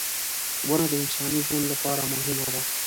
• ونه د انساني ژوند لپاره مهمه ده.